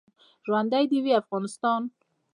ژوندی دې وي افغانستان.